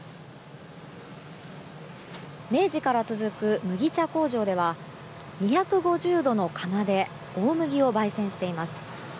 明治から続く麦茶工場では２５０度の窯で大麦を焙煎しています。